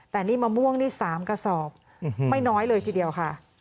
แต่นี่มะม่วงนี่๓กระสอบไม่น้อยเลยทีเดียวค่ะ